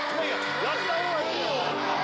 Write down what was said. やった方がいいよ。